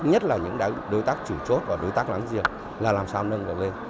nhất là những đối tác chủ chốt và đối tác láng giềng là làm sao nâng cả lên